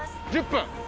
１０分。